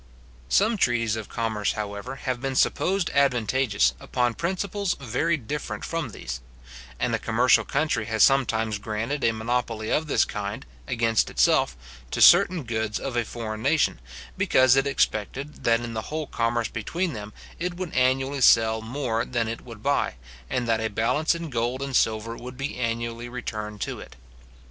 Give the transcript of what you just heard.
Some treaties of commerce, however, have been supposed advantageous, upon principles very different from these; and a commercial country has sometimes granted a monopoly of this kind, against itself, to certain goods of a foreign nation, because it expected, that in the whole commerce between them, it would annually sell more than it would buy, and that a balance in gold and silver would be annually returned to it.